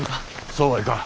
そうはいかん。